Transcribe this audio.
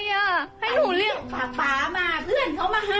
ให้หนูเรียกป่ามาเพื่อนเขามาให้